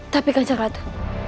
tapi kacang ratu